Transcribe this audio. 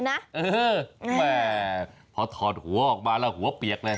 แม่พอถอดหัวออกมาแล้วหัวเปียกเลย